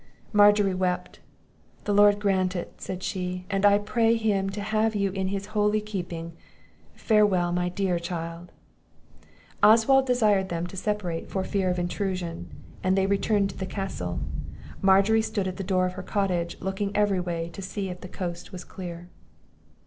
Margery wept. "The Lord grant it!" said she; "and I pray him to have you in his holy keeping. Farewell, my dear child!" Oswald desired them to separate for fear of intrusion; and they returned to the castle. Margery stood at the door of her cottage, looking every way to see if the coast was clear.